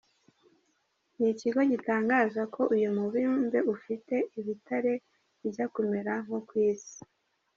Iki kigo gitangaza ko uyu mubumbe ufite ibitare bijya kumera nko ku isi.